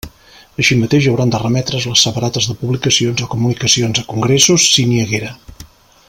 Així mateix hauran de remetre's les separates de publicacions o comunicacions a congressos, si n'hi haguera.